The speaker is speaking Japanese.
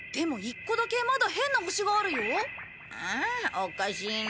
おかしいな。